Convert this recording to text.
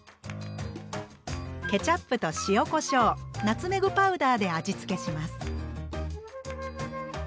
ケチャップと塩こしょうナツメグパウダーで味付けします。